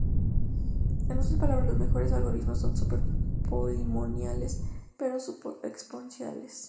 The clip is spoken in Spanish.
En otras palabras, los mejores algoritmos son súper-polinomiales, pero sub-exponenciales.